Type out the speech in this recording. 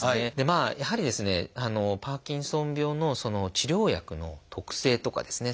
やはりですねパーキンソン病の治療薬の特性とかですね